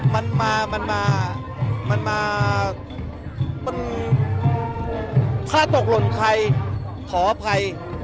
มันมามันมาถ้าตกลนใครขออภัย